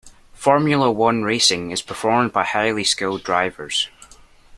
Formula one racing is performed by highly skilled drivers.